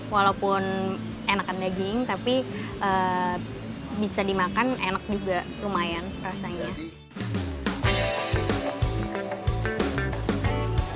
walaupun enakan daging tapi bisa dimakan enak juga lumayan rasanya